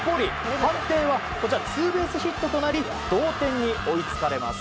判定はツーベースヒットとなり同点に追いつかれます。